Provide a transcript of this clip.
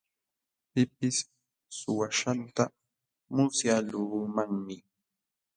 Pipis suwaaśhqanta musyaqluumanmi.